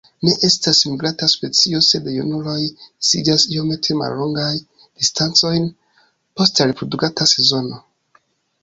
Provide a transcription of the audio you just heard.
Ne estas migranta specio, sed junuloj disiĝas iomete mallongajn distancojn post la reprodukta sezono.